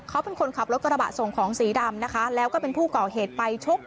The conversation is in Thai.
เขาเป็นคนขับรถกระบะส่งของสีดำนะคะแล้วก็เป็นผู้ก่อเหตุไปชก